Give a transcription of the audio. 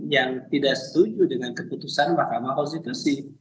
yang tidak setuju dengan keputusan mahkamah konstitusi